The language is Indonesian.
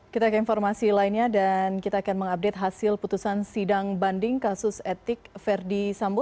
kita ke informasi lainnya dan kita akan mengupdate hasil putusan sidang banding kasus etik verdi sambo